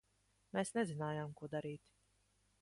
Mēs nezinājām, ko darīt.